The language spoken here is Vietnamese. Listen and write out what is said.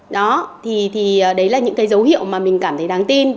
đó thì đấy là những cái dấu hiệu mà mình cảm thấy đáng tin